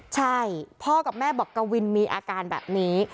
ใช่พ่อกับแม่บอกกวินมีอาการแบบนี้